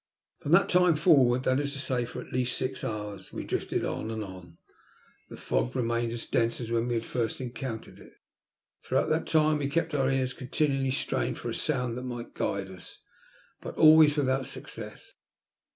From that time forward — that is to say for at least six hours — ^we drifted on and on, the fog remaining as dense as when we had first encountered it. Through out that time we kept our ears continually strained for a sound that might guide us, but always without success.